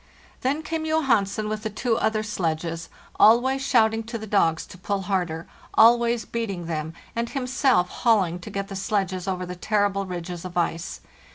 Then came Johansen with the two other sledges, always shouting to the dogs to pull harder, always beating them, and himself hauling to get the sledges over the terrible ridges of ice.